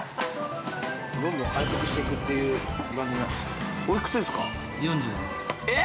どんどん相席していくっていう番組なんすよえっ？